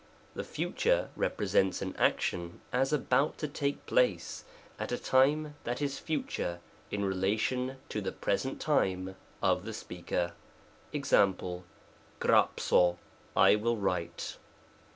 The Future represents an action as about to take place, at a time that is future in relation to the present time of the speaker, ^a?., ygdifjcoy " I will write."